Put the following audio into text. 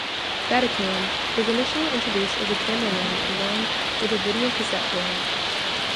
Betacam was initially introduced as a camera line along with a video cassette player.